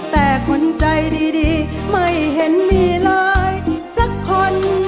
แต่คนใจดีไม่เห็นมีเลยสักคน